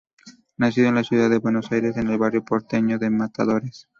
Nacido en la ciudad de Buenos Aires en el barrio porteño de Mataderos.